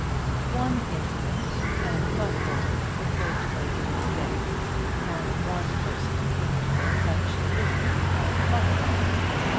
One incident, and but one, occurred to her during the day; and one person came to her that she knew, and but one.